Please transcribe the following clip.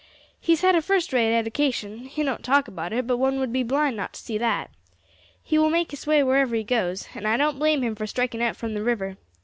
He's had a first rate edication he don't talk about it, but one would be blind not to see that he will make his way wherever he goes, and I don't blame him for striking out from the river.